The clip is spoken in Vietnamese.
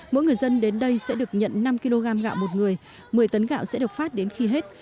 mỗi người dân đến đây sẽ được nhận năm kg gạo một người một mươi tấn gạo sẽ được phát đến khi hết